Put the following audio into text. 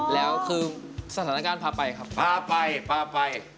แล้วคือสถานการณ์พาไปครับพาไปพาไป